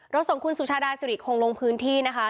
เราส่งคุณสุชาดายซิริกต์โค้งลงพื้นที่นะคะ